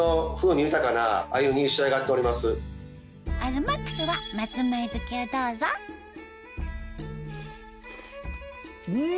東ＭＡＸは松前漬をどうぞうん！